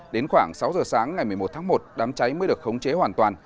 đến khoảng sáu giờ sáng ngày một mươi một tháng một đám cháy mới được khống chế hoàn toàn